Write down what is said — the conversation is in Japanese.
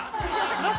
どこ？